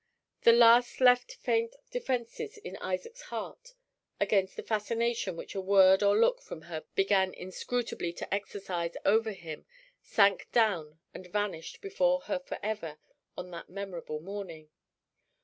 The last left faint defenses in Isaac's heart against the fascination which a word or look from her began inscrutably to exercise over him sank down and vanished before her forever on that memorable morning.